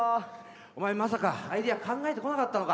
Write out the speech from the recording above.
お前まさかアイデア考えてこなかったのか。